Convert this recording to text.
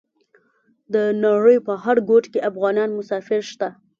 د نړۍ په هر ګوټ کې افغانان مسافر شته.